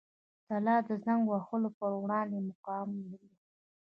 طلا د زنګ وهلو پر وړاندې مقاوم دی.